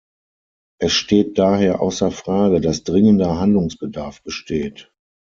Es steht daher außer Frage, dass dringender Handlungsbedarf besteht.